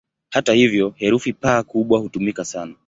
Hata hivyo, herufi "P" kubwa hutumika sana.